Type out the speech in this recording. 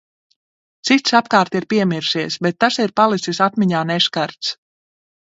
Cits apkārt ir piemirsies, bet tas ir palicis atmiņā neskarts.